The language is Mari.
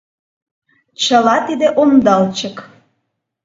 Чыла тиде ондалчык!